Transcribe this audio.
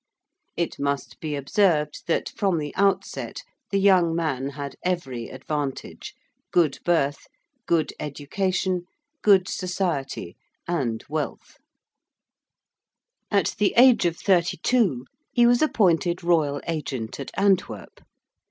It must be observed that from the outset the young man had every advantage good birth, good education, good society, and wealth. [Illustration: SIR THOMAS GRESHAM.] At the age of thirty two he was appointed Royal Agent at Antwerp.